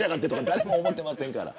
誰も思っていませんから。